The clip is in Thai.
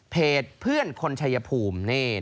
เพจเพื่อนคนชายภูมิ